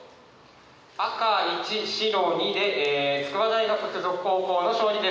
赤１白２で筑波大学附属高校の勝利です。